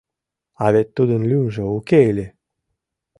— А вет тудын лӱмжӧ уке ыле?